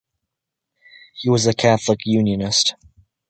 He was a Catholic Unionist.